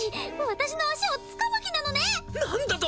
私の足をつかむ気なのね何だと！